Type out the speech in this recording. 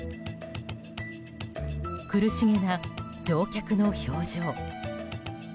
苦しげな乗客の表情。